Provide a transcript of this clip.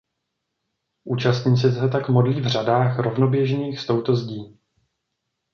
Účastníci se tak modlí v řadách rovnoběžných s touto zdí.